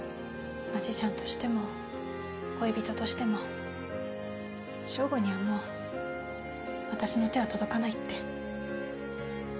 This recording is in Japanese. マジシャンとしても恋人としてもＳＨＯＧＯにはもう私の手は届かないって。